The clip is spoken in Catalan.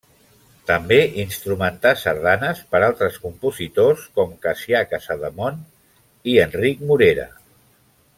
També instrumentà sardanes per altres compositors, com Cassià Casademont i Enric Morera.